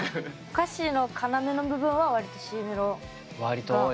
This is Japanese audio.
歌詞の要の部分は割とＣメロが多い。